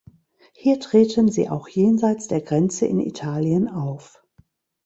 Hier treten sie auch jenseits der Grenze in Italien auf.